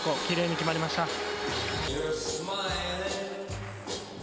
きれいに決まりました。